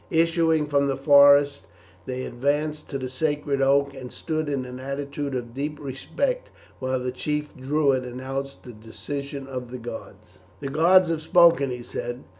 Issuing from the forest they advanced to the sacred oak and stood in an attitude of deep respect, while the chief Druid announced the decision of the gods. "The gods have spoken," he said.